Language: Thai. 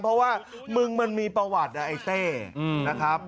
เพราะว่ามึงมันมีประวัตินะเต้